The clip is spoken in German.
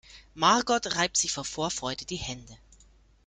Margot reibt sich vor Vorfreude die Hände.